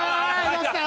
どうした？